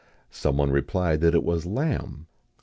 Some one replied that it was Lamb.